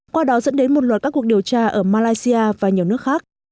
qua đó dẫn đến một loạt các cuộc điều tra ở malaysia và nhiều nước khác